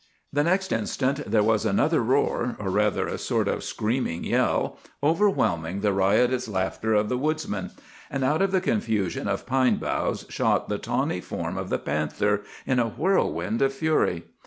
"The next instant there was another roar, or rather a sort of screaming yell, overwhelming the riotous laughter of the woodsmen; and out of the confusion of pine boughs shot the tawny form of the panther in a whirlwind of fury.